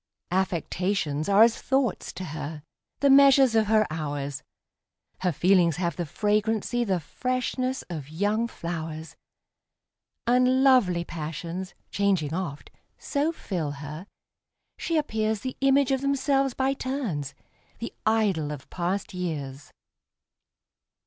Affections are as thoughts to her, the measures of her hours; Her feelings have the fragrancy, the freshness, of young flowers; And lovely passions, changing oft, so fill her, she appearsThe image of themselves by turns,—the idol of past years!